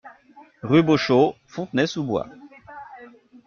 Rue Boschot, Fontenay-sous-Bois